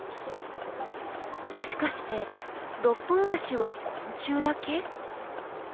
もしかして６本足は昆虫だけ？